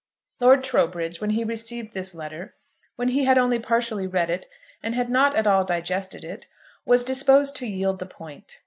Lord Trowbridge, when he received this letter, when he had only partially read it, and had not at all digested it, was disposed to yield the point.